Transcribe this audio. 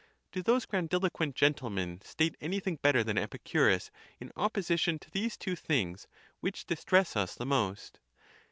Do those grandiloquent gentlemen state anything better than Epicurus in opposition to these two things which distress us the most?